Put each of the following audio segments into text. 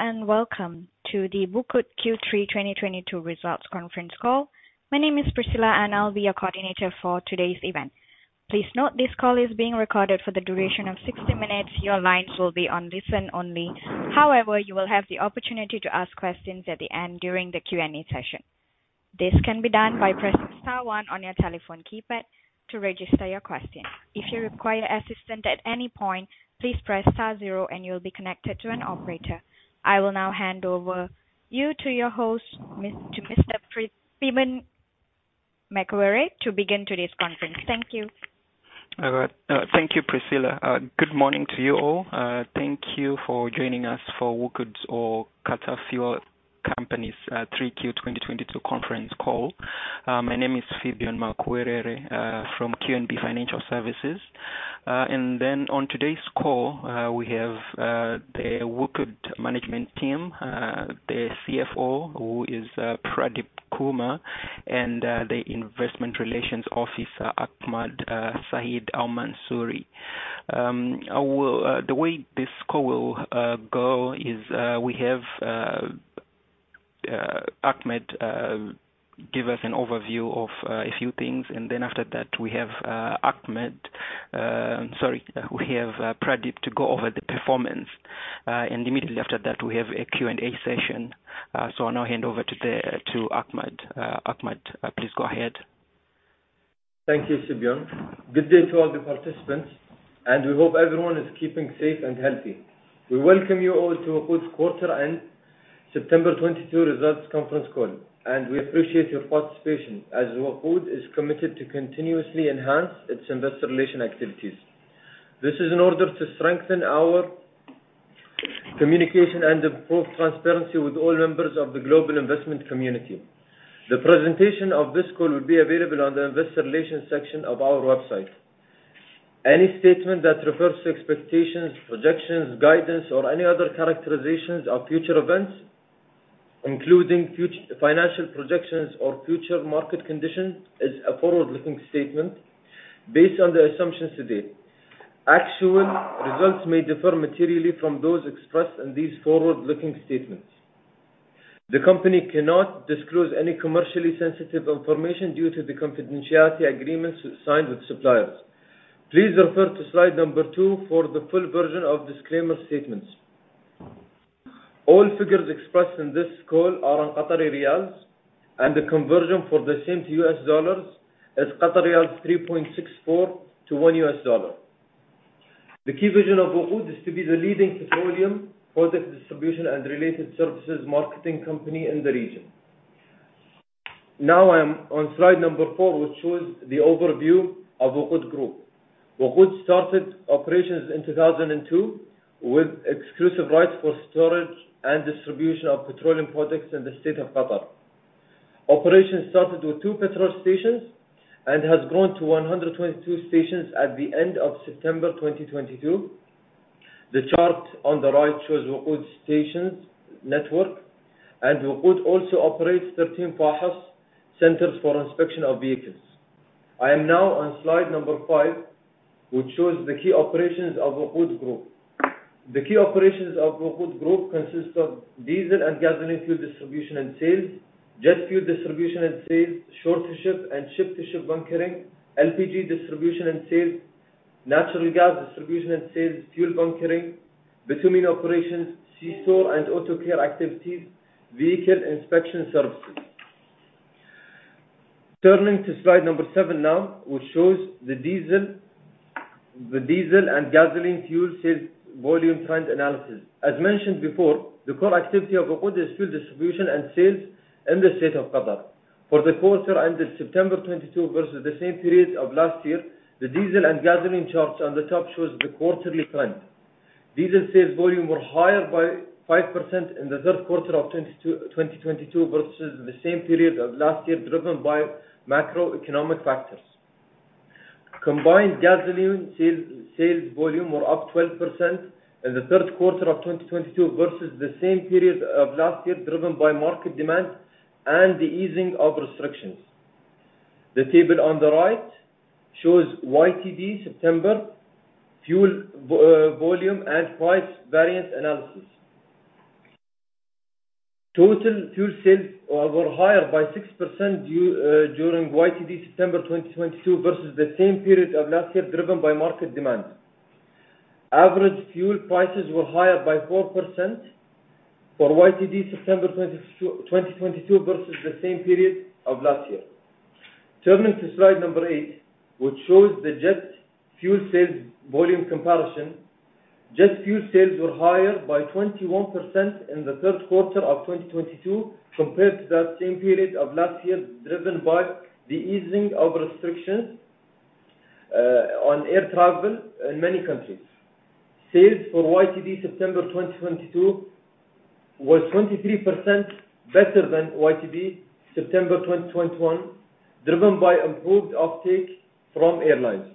Hello, and welcome to the WOQOD Q3 2022 Results Conference Call. My name is Priscilla, and I'll be your coordinator for today's event. Please note this call is being recorded. For the duration of 60 minutes, your lines will be on listen only. However, you will have the opportunity to ask questions at the end during the Q&A session. This can be done by pressing star one on your telephone keypad to register your question. If you require assistance at any point, please press star zero and you'll be connected to an operator. I will now hand you over to your host, Mr. Phibion Makuwerere, to begin today's conference. Thank you. All right. Thank you, Priscilla. Good morning to you all. Thank you for joining us for WOQOD or Qatar Fuel Company's 3Q 2022 conference call. My name is Phibion Makuwerere from QNB Financial Services. On today's call, we have the WOQOD management team, the CFO, who is Pradeep Kumar, and the Investment Relations Officer, Ahmed Said Al-Mansoori. The way this call will go is, we have Ahmed give us an overview of a few things, and then after that, we have Ahmed. Sorry. We have Pradeep to go over the performance. Immediately after that, we have a Q&A session. I'll now hand over to Ahmed. Ahmed, please go ahead. Thank you, Phibion. Good day to all the participants, and we hope everyone is keeping safe and healthy. We welcome you all to WOQOD's quarter and September 2022 results conference call, and we appreciate your participation as WOQOD is committed to continuously enhance its investor relations activities. This is in order to strengthen our communication and improve transparency with all members of the global investment community. The presentation of this call will be available on the investor relations section of our website. Any statement that refers to expectations, projections, guidance or any other characterizations of future events, including financial projections or future market conditions, is a forward-looking statement based on the assumptions to date. Actual results may differ materially from those expressed in these forward-looking statements. The company cannot disclose any commercially sensitive information due to the confidentiality agreements signed with suppliers. Please refer to slide number 2 for the full version of disclaimer statements. All figures expressed in this call are on Qatari riyals and the conversion for the same to US dollars is Qatari riyal 3.64 to 1 US dollar. The key vision of WOQOD is to be the leading Petroleum Product Distribution and Related Services marketing company in the region. Now I am on slide number 4, which shows the overview of WOQOD Group. WOQOD started operations in 2002 with exclusive rights for storage and distribution of petroleum products in the state of Qatar. Operations started with two petrol stations and has grown to 122 stations at the end of September 2022. The chart on the right shows WOQOD stations network. WOQOD also operates 13 FAHES centers for inspection of vehicles. I am now on slide 5, which shows the key operations of WOQOD Group. The key operations of WOQOD Group consists of diesel and gasoline fuel distribution and sales, jet fuel distribution and sales, shore-to-ship and ship-to-ship bunkering, LPG distribution and sales, natural gas distribution and sales, fuel bunkering, bitumen operations, C store and auto care activities, vehicle inspection services. Turning to slide 7 now, which shows the diesel and gasoline fuel sales volume trend analysis. As mentioned before, the core activity of WOQOD is fuel distribution and sales in the state of Qatar. For the quarter ended September 2022 versus the same period of last year, the diesel and gasoline charts on the top shows the quarterly trend. Diesel sales volume were higher by 5% in the Q3 of 2022 versus the same period of last year, driven by macroeconomic factors. Combined gasoline sales volume were up 12% in the Q3 of 2022 versus the same period of last year, driven by market demand and the easing of restrictions. The table on the right shows YTD September fuel volume and price variance analysis. Total fuel sales were higher by 6% during YTD September 2022 versus the same period of last year, driven by market demand. Average fuel prices were higher by 4% for YTD September 2022 versus the same period of last year. Turning to slide number 8, which shows the jet fuel sales volume comparison. Jet fuel sales were higher by 21% in the Q3 of 2022 compared to that same period of last year, driven by the easing of restrictions on air travel in many countries. Sales for YTD September 2022 was 23% better than YTD September 2021, driven by improved uptake from airlines.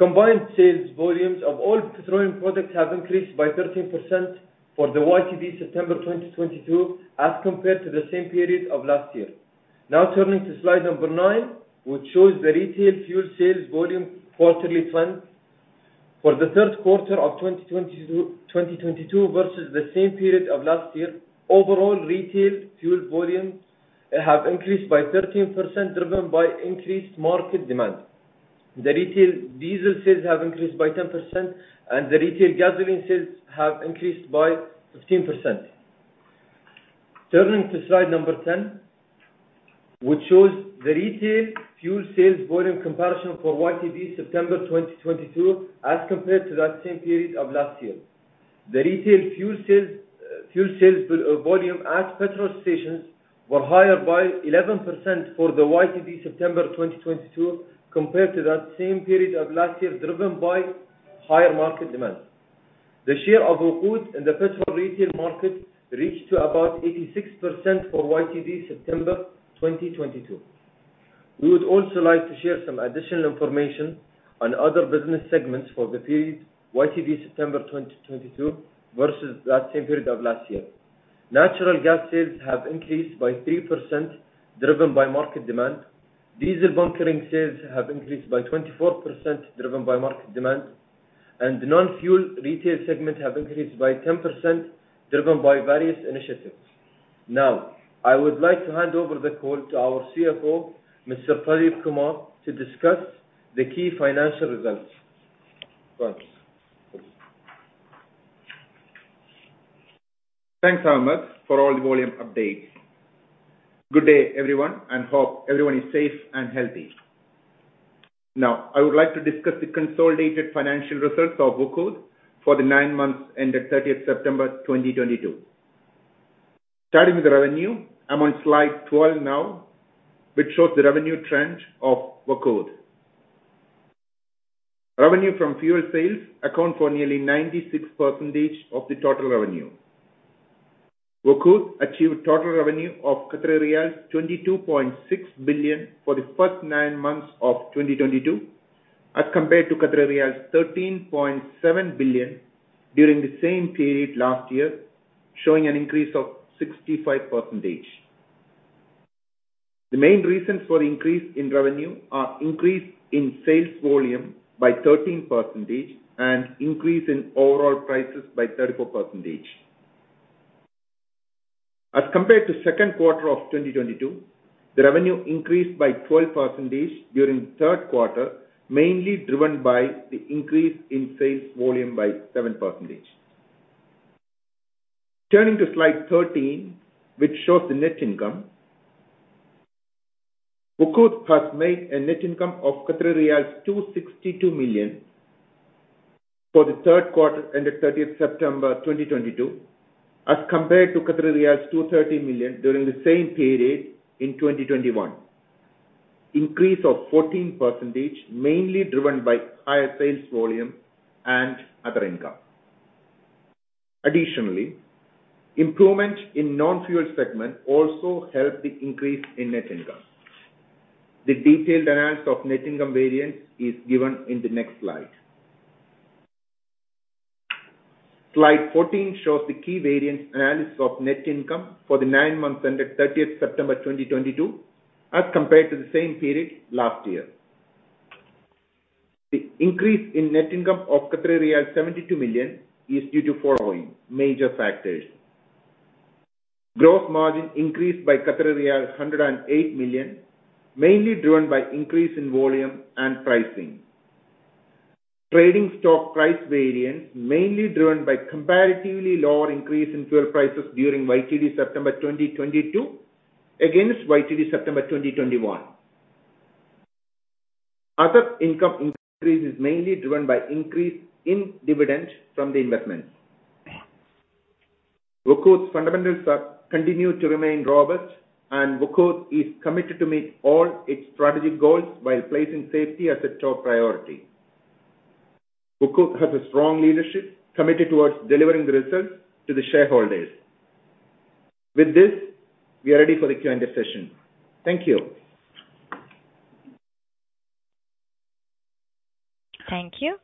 Combined sales volumes of all petroleum products have increased by 13% for the YTD September 2022 as compared to the same period of last year. Now turning to slide number 9, which shows the retail fuel sales volume quarterly trend. For the Q3 of 2022 versus the same period of last year, overall retail fuel volumes have increased by 13% driven by increased market demand. The retail diesel sales have increased by 10% and the retail gasoline sales have increased by 15%. Turning to slide number 10, which shows the retail fuel sales volume comparison for YTD September 2022 as compared to that same period of last year. The retail fuel sales volume at petrol stations were higher by 11% for the YTD September 2022 compared to that same period of last year, driven by higher market demand. The share of WOQOD in the petrol retail market reached to about 86% for YTD September 2022. We would also like to share some additional information on other business segments for the period YTD September 2022 versus that same period of last year. Natural gas sales have increased by 3% driven by market demand. Diesel bunkering sales have increased by 24% driven by market demand. Non-fuel retail segment have increased by 10% driven by various initiatives. Now I would like to hand over the call to our CFO, Mr. Pradeep Kumar, to discuss the key financial results. Thanks. Thanks, Ahmed, for all the volume updates. Good day, everyone, and hope everyone is safe and healthy. Now, I would like to discuss the consolidated financial results of WOQOD for the nine months ended thirtieth September 2022. Starting with the revenue, I'm on slide 12 now, which shows the revenue trend of WOQOD. Revenue from fuel sales account for nearly 96% of the total revenue. WOQOD achieved total revenue of 22.6 billion for the first nine months of 2022, as compared to 13.7 billion during the same period last year, showing an increase of 65%. The main reasons for the increase in revenue are increase in sales volume by 13% and increase in overall prices by 34%. As compared to Q2 2022, the revenue increased by 12% during Q3, mainly driven by the increase in sales volume by 7%. Turning to slide 13, which shows the net income. WOQOD has made a net income of Qatari riyals 262 million for the Q3 ended 30 September 2022, as compared to 230 million during the same period in 2021. Increase of 14% mainly driven by higher sales volume and other income. Additionally, improvement in non-fuel segment also helped the increase in net income. The detailed analysis of net income variance is given in the next slide. Slide 14 shows the key variance analysis of net income for the nine months ended 30 September 2022, as compared to the same period last year. The increase in net income of 72 million is due to following major factors. Gross margin increased by 108 million Qatari riyal, mainly driven by increase in volume and pricing. Trading stock price variance mainly driven by comparatively lower increase in fuel prices during YTD September 2022 against YTD September 2021. Other income increase is mainly driven by increase in dividends from the investments. WOQOD's fundamentals are continue to remain robust, and WOQOD is committed to meet all its strategic goals while placing safety as a top priority. WOQOD has a strong leadership committed towards delivering the results to the shareholders. With this, we are ready for the Q&A session. Thank you. Thank you.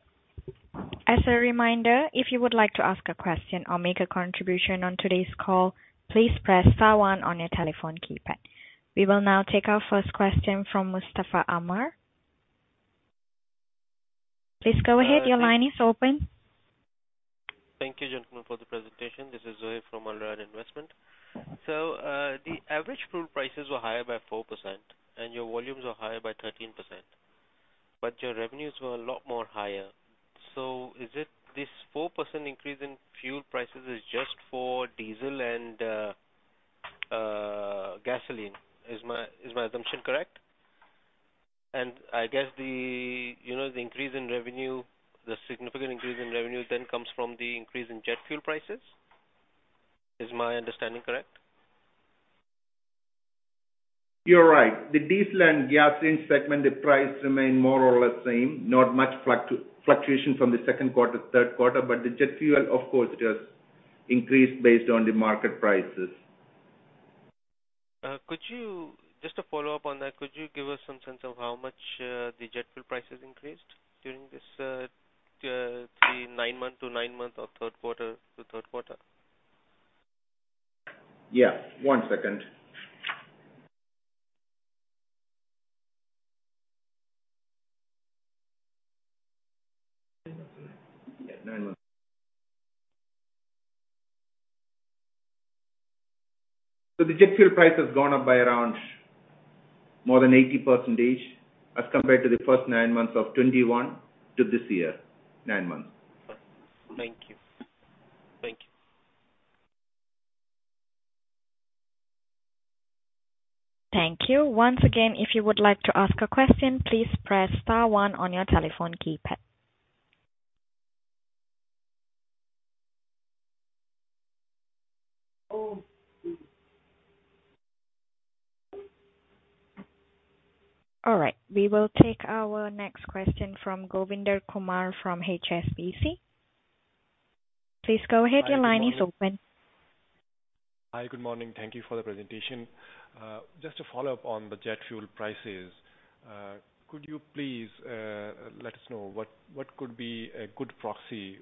As a reminder, if you would like to ask a question or make a contribution on today's call, please press star one on your telephone keypad. We will now take our first question from Mustafa Amir. Please go ahead. Your line is open. Thank you, gentlemen, for the presentation. This is Zoyee from Al Rayan Investment. The average fuel prices were higher by 4% and your volumes were higher by 13%, but your revenues were a lot more higher. Is it this 4% increase in fuel prices is just for diesel and gasoline? Is my assumption correct? I guess the, you know, the increase in revenue, the significant increase in revenue then comes from the increase in jet fuel prices. Is my understanding correct? You're right. The diesel and gasoline segment, the price remain more or less same. Not much fluctuation from the Q2 to Q3, but the jet fuel of course just increased based on the market prices. Just a follow-up on that, could you give us some sense of how much the jet fuel prices increased during this period? The 9-month to 9-month or Q3 to Q3? Yeah. One second. The jet fuel price has gone up by around more than 80% as compared to the first nine months of 2021 to this year, nine months. Thank you. Thank you. Thank you. Once again, if you would like to ask a question, please press star one on your telephone keypad. All right, we will take our next question from Govinder Kumar from HSBC. Please go ahead. Your line is open. Hi. Good morning. Thank you for the presentation. Just to follow-up on the jet fuel prices, could you please let us know what could be a good proxy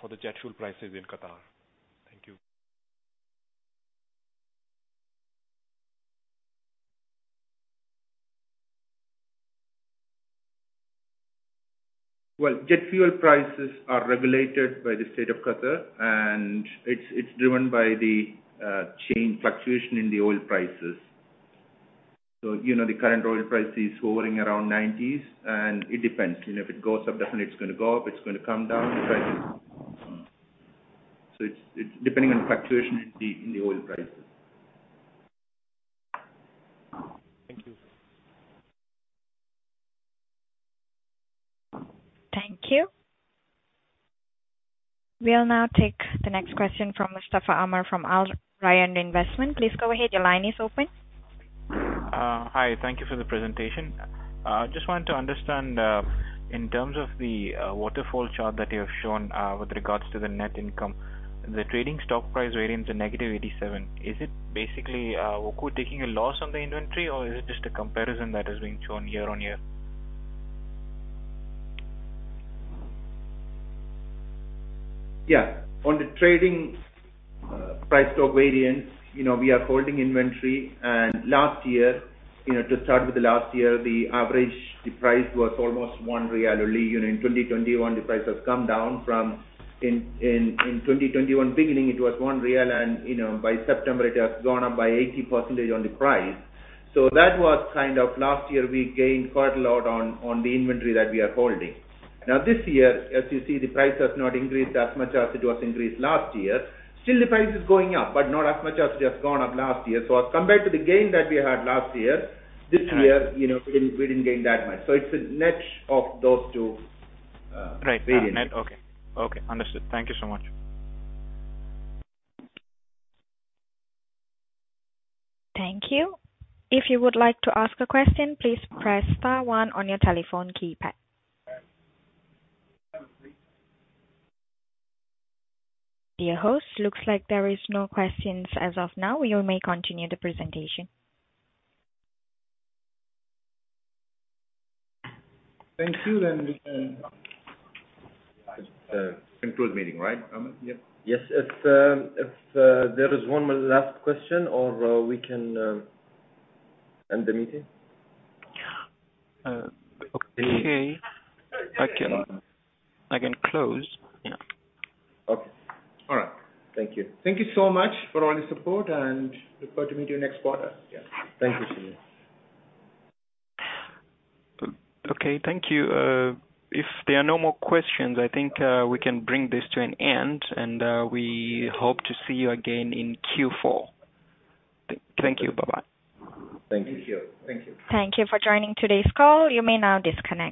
for the jet fuel prices in Qatar? Thank you. Well, jet fuel prices are regulated by the state of Qatar, and it's driven by the change fluctuation in the oil prices. You know, the current oil price is hovering around 90s, and it depends. You know, if it goes up, definitely it's gonna go up, it's gonna come down. It's depending on fluctuation in the oil prices. Thank you. Thank you. We'll now take the next question from Mustafa Amir from Al Rayan Investment. Please go ahead. Your line is open. Hi. Thank you for the presentation. Just wanted to understand, in terms of the waterfall chart that you have shown, with regards to the net income. The trading stock price variance in -87, is it basically WOQOD taking a loss on the inventory, or is it just a comparison that is being shown year-on-year? Yeah. On the stock price variance, you know, we are holding inventory. Last year, you know, to start with the last year, the average price was almost 1 QAR. In 2021 beginning it was 1 QAR and, you know, by September it has gone up by 80% on the price. That was kind of last year we gained quite a lot on the inventory that we are holding. Now, this year, as you see, the price has not increased as much as it was increased last year. Still, the price is going up, but not as much as it has gone up last year. As compared to the gain that we had last year. Yeah. This year, you know, we didn't gain that much. It's the net of those two variance. Right. Net. Okay. Understood. Thank you so much. Thank you. If you would like to ask a question, please press star one on your telephone keypad. Dear host, looks like there is no questions as of now. You may continue the presentation. Thank you. Conclude meeting, right, Ahmed? Yep. Yes. If there is one more last question or we can end the meeting. Yeah. Okay. I can close. Yeah. Okay. All right. Thank you. Thank you so much for all your support and look forward to meet you next quarter. Yeah. Thank you. See you. Okay. Thank you. If there are no more questions, I think we can bring this to an end, and we hope to see you again in Q4. Thank you. Bye-bye. Thank you. Thank you. Thank you for joining today's call. You may now disconnect.